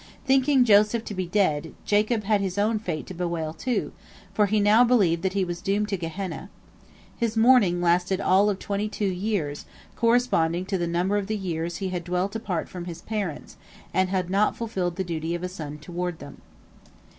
Thinking Joseph to be dead, Jacob had his own fate to bewail, too, for he now believed that he was doomed to Gehenna. His mourning lasted all of twenty two years, corresponding to the number of the years he had dwelt apart from his parents, and had not fulfilled the duty of a son toward them.